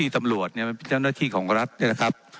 ตำรวจเนี่ยเป็นเจ้าหน้าที่ของรัฐเนี่ยนะครับ